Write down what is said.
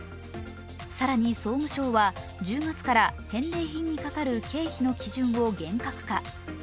更に総務省は１０月から返礼品にかかる経費の基準を厳格化。